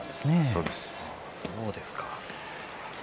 そうです。